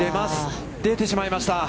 出てしまいました。